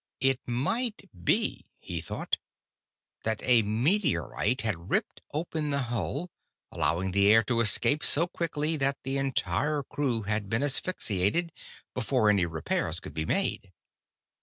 It might be, he thought, that a meteorite had ripped open the hull, allowing the air to escape so quickly that the entire crew had been asphyxiated before any repairs could be made.